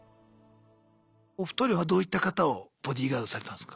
お二人はどういった方をボディーガードされたんすか？